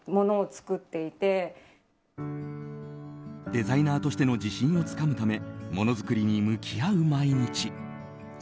デザイナーとしての自信をつかむため物作りに向き合う毎日。